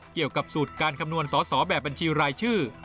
เกี่ยวกับสูตรการคำนวณสอสอแบบบัญชีรายชื่อ